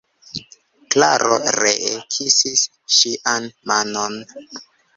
Klaro ree kisis ŝian manon.